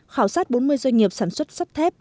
khảo sát bốn mươi doanh nghiệp sản xuất sắt sắt thép